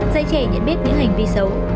dạy trẻ nhận biết những hành vi xấu